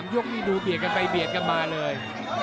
ยกนี่ดูเบียดกันไปเบียดกันมาเลย